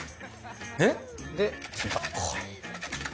えっ？